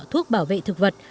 thuốc bảo vệ thực vật